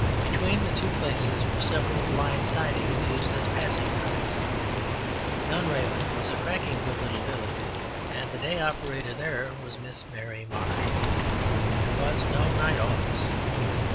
Between the two places were several blind sidings used as passing tracks. Dunraven was a cracking good little village and the day operator there was Miss Mary Marsh; there was no night office.